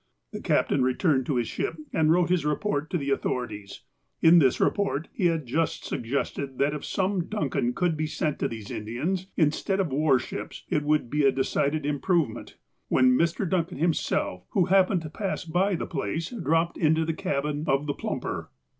The captain returned to his ship, and wrote his report to the authorities. In this report he had just suggested that if some Duncan could be sent to these Indians, in stead of war ships, it would be a decided improvement, when Mr. Duncan himself, who happened to pass by the place, dropped into the cabin of the Plumper.